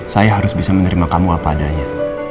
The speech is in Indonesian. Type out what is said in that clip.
saya harus bisa menerima kamu apa adanya